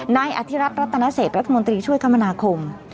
นายอธิรัตรรัตนเศรษฐ์และรัฐมนตรีช่วยคำนาคม